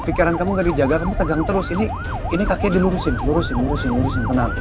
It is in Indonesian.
perjalanan kamu enggak dijaga kamu tegang terus ini ini kaki dilurusin lurusin lurusin tenang